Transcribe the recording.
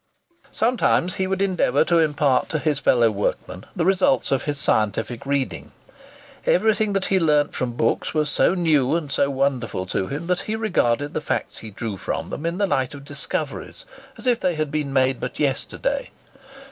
Sometimes he would endeavour to impart to his fellow workmen the results of his scientific reading. Everything that he learnt from books was so new and so wonderful to him, that he regarded the facts he drew from them in the light of discoveries, as if they had been made but yesterday.